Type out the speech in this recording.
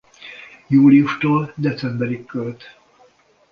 Júliustól decemberig költ.